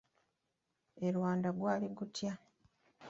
E Rwanda gwali gutya?